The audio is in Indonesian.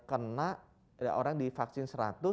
kena ada orang di vaksin seratus